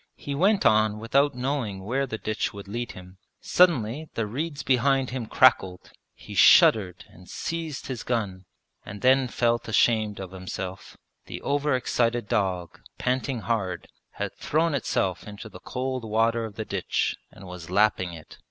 He went on without knowing where the ditch would lead him. Suddenly the reeds behind him crackled. He shuddered and seized his gun, and then felt ashamed of himself: the over excited dog, panting hard, had thrown itself into the cold water of the ditch and was lapping it!